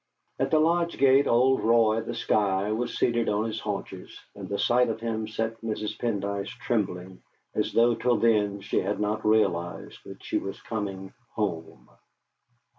At the lodge gate old Roy, the Skye, was seated on his haunches, and the sight of him set Mrs. Pendyce trembling as though till then she had not realised that she was coming home.